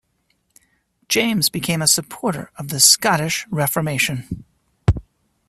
James became a supporter of the Scottish Reformation.